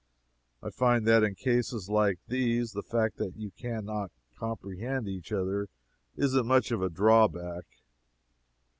I find that in cases like these, the fact that you can not comprehend each other isn't much of a drawback.